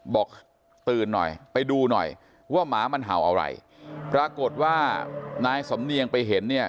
บอกตื่นหน่อยไปดูหน่อยว่าหมามันเห่าอะไรปรากฏว่านายสำเนียงไปเห็นเนี่ย